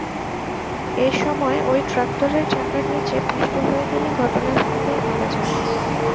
এ সময় ওই ট্রাক্টরের চাকার নিচে পিষ্ট হয়ে তিনি ঘটনাস্থলেই মারা যান।